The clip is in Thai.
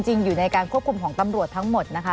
อยู่ในการควบคุมของตำรวจทั้งหมดนะคะ